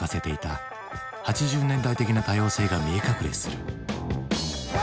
８０年代的な多様性が見え隠れする。